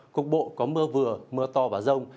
cục bộ có mưa vừa mưa to và rông